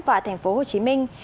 và thành phố hồ chí minh